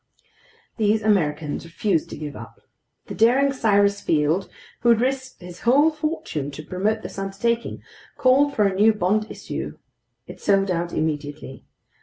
These Americans refused to give up. The daring Cyrus Field, who had risked his whole fortune to promote this undertaking, called for a new bond issue. It sold out immediately.